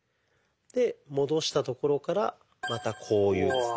で戻したところからまたこういうですね。